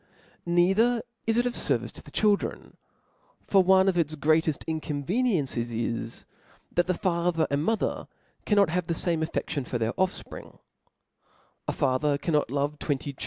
"Neither is it of ferviefe to the childf en^ for one of its greateft incoaveniencies is, that the father and mother cannot h*ve the fame affeftion rfbr their offspring ; a father canrlot love twenty